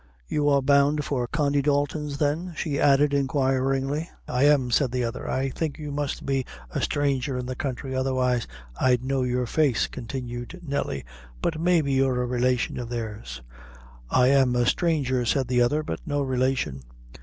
I You are bound for Condy Dalton's, then?" she added, inquiringly. "I am," said the other. "I think you must be a stranger in the country, otherwise I'd know your face," continued Nelly "but maybe you're a relation of theirs." "I am a stranger," said the other; "but no relation."